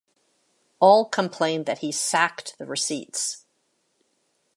All complained that he sacked the receipts.